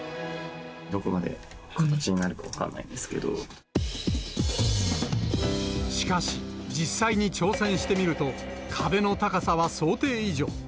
どこまで形になるか分からなしかし、実際に挑戦してみると、壁の高さは想定以上。